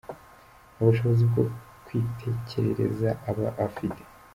Nta bushobozi bwo kwitekerereza aba afite.